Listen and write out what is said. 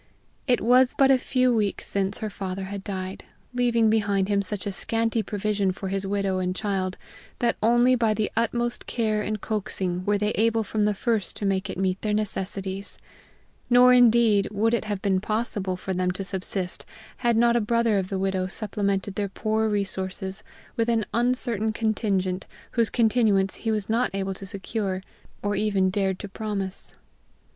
It was but a few weeks since her father had died, leaving behind him such a scanty provision for his widow and child that only by the utmost care and coaxing were they able from the first to make it meet their necessities. Nor, indeed, would it have been possible for them to subsist had not a brother of the widow supplemented their poor resources with an uncertain contingent, whose continuance he was not able to secure, or even dared to promise.